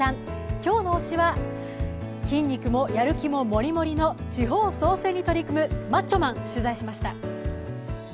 今日の推しは、筋肉もやる気もモリモリの地方創生に取り組むマッチョマンを取材しました。